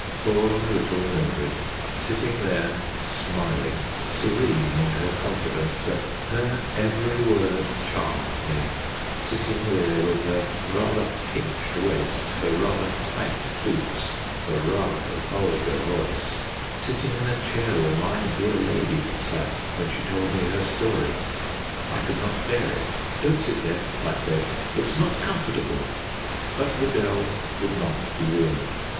Poor little Mildred, sitting there smiling, serene in her confidence that her every word charmed me sitting there with her rather pinched waist, her rather tight boots, her rather vulgar voice sitting in the chair where my dear lady had sat when she told me her story! I could not bear it. "Don't sit there," I said; "it's not comfortable!" But the girl would not be warned.